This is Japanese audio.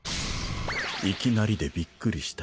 いきなりでびっくりした。